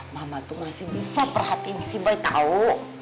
mama tuh masih bisa perhatiin si boy tau